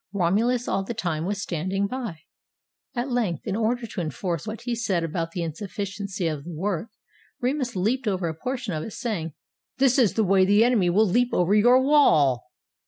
Romulus all the time was standing by. At length, in order to enforce what he said about the insufficiency of the work, Remus leaped over a portion of it, saying, "This is the way the enemy will leap over your wall."